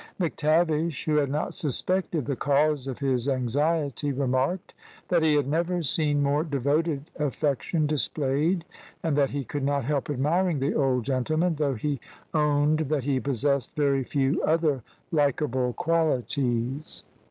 "McTavish, who had not suspected the cause of his anxiety, remarked, `that he had never seen more devoted affection displayed, and that he could not help admiring the old gentleman,' though he owned that he possessed very few other likeable qualities.